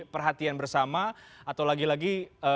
perhatian bersama atau lagi lagi